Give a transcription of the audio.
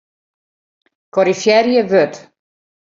Korrizjearje wurd.